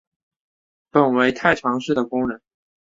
本为太常寺的工人。